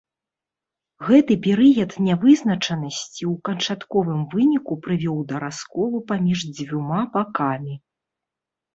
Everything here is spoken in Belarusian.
Гэты перыяд нявызначанасці ў канчатковым выніку прывёў да расколу паміж дзвюма бакамі.